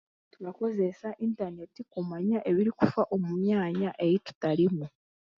Turakozesa intaneeti kumanya ebirikufa omu myanya ei tutariimu.